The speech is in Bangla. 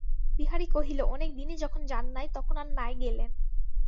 বিহারী কহিল, অনেক দিনই যখন যান নাই তখন আর নাই গেলেন।